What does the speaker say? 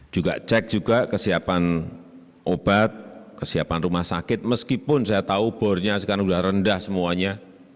juga cek juga kesiapan obat kesiapan rumah sakit meskipun saya tahu bornya sekarang sudah rendah semuanya